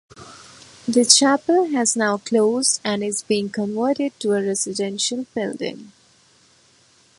The chapel has now closed and is being converted to a residential building.